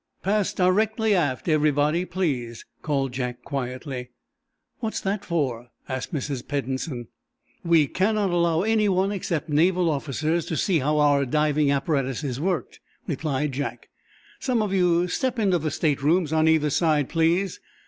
"Pass directly aft, everybody, please," called Jack, quietly. "What's that for?" asked Miss Peddensen. "We cannot allow anyone except naval officers to see how our diving apparatus is worked", replied Jack. "Some of you step into the staterooms, on either side, please.